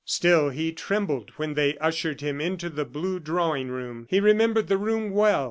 Still he trembled when they ushered him into the blue drawing room. He remembered the room well.